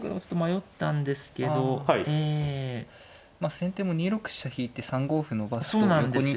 先手も２六飛車引いて３五歩伸ばすと横利きが。